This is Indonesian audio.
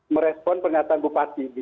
merespon pernyataan bupati